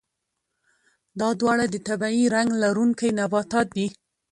دا دواړه د طبیعي رنګ لرونکي نباتات دي.